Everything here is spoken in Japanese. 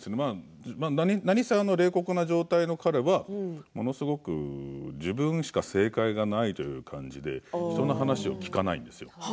何せ冷酷な状態の彼は自分しか正解がないという感じで人の話を聞かないんですよ。